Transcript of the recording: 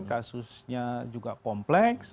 kasusnya juga kompleks